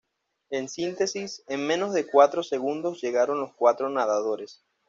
En síntesis, en menos de cuatro segundos llegaron los cuatro nadadores.